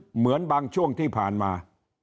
เหมือนบางช่วงที่ผ่านมา